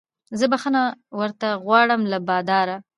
زه بخښنه ورته غواړم له باداره